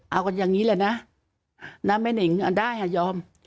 เอากันอย่างนี้แหละนะน้ำแม่นอิงอะได้อะยอม